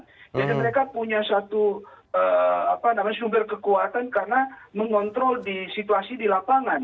jadi mereka punya satu sumber kekuatan karena mengontrol situasi di lapangan